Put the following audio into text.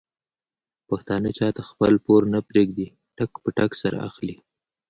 پښتانه چاته خپل پور نه پرېږدي ټک په ټک سره اخلي.